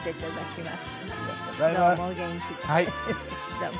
どうも。